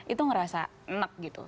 itu ngerasa enak gitu